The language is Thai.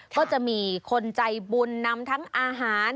ก็จะมีคนใจบุญนำทั้งอาหาร